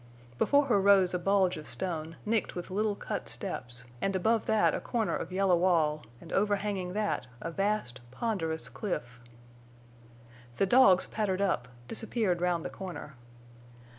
Before her rose a bulge of stone, nicked with little cut steps, and above that a corner of yellow wall, and overhanging that a vast, ponderous cliff. The dogs pattered up, disappeared round the corner.